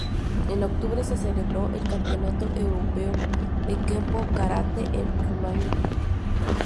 En octubre se celebró el Campeonato Europeo de Kenpo Karate en Rumania.